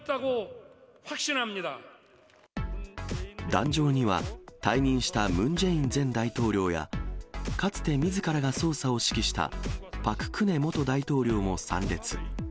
壇上には、退任したムン・ジェイン前大統領やかつてみずからが捜査を指揮した、パク・クネ元大統領も参列。